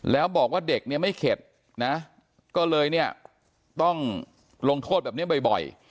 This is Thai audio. แล้วบอกว่าเด็กเนี่ยไม่เข็ดนะก็เลยเนี่ยต้องลงโทษแบบนี้บ่อย